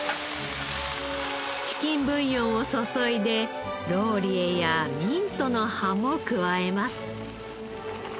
チキンブイヨンを注いでローリエやミントの葉も加えます。